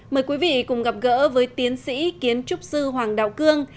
mời quý vị cùng gặp gỡ với tiến sĩ kiến trúc sư hoàng đạo cương